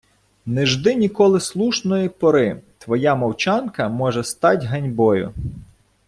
Не жди ніколи слушної пори – твоя мовчанка може стать ганьбою!